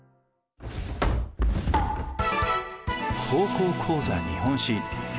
「高校講座日本史」。